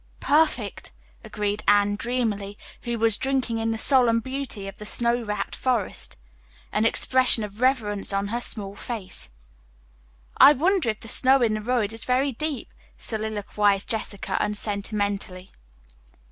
"Perfect," agreed Anne dreamily, who was drinking in the solemn beauty of the snow wrapped forest, an expression of reverence on her small face. "I wonder if the snow in the road is very deep?" soliloquized Jessica unsentimentally.